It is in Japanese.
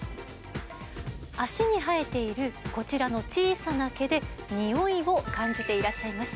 脚に生えているこちらの小さな毛でにおいを感じていらっしゃいます。